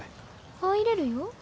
入れるよ。